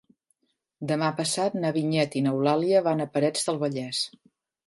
Demà passat na Vinyet i n'Eulàlia van a Parets del Vallès.